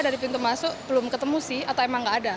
dari pintu masuk belum ketemu sih atau emang nggak ada